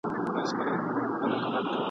دا دهقان چي تخم پاشي او روان دی ..